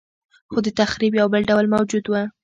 خو د تخریب یو بل ډول موجود و